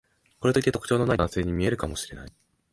これといって特徴のない男性に見えるかもしれない